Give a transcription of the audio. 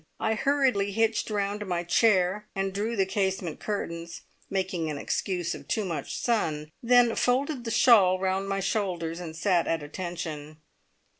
I hurriedly hitched round my chair and drew the casement curtains, making an excuse of "too much sun," then folded the shawl round my shoulders, and sat at attention.